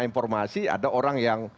informasi ada orang yang